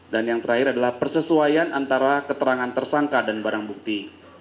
dan yang terakhir adalah persesuaian antara keterangan tersangka dan barang bukti